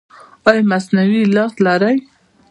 ایا مصنوعي لاس لرئ؟